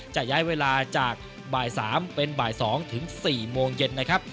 จะย้ายเวลาจากบ่าย๓เป็นบ่าย๒ถึง๔โมงเย็นนะครับ